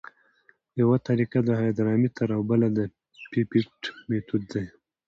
یوه طریقه د هایدرامتر او بله د پیپیټ میتود دی